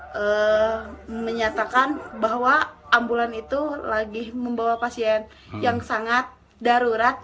saya menyatakan bahwa ambulan itu lagi membawa pasien yang sangat darurat